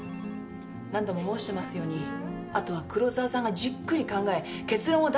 何度も申してますようにあとは黒澤さんがじっくり考え結論を出していただかないと。